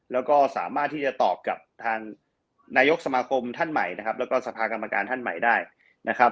แล้วก็สามารถที่จะตอบกับทางนายกสมาคมท่านใหม่นะครับแล้วก็สภากรรมการท่านใหม่ได้นะครับ